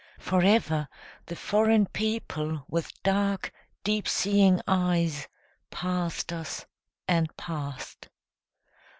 Forever the foreign people with dark, deep seeing eyes Passed us and passed.